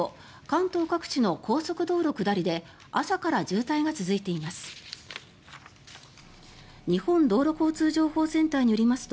関東各地の高速道路下りで朝から渋滞が続いています。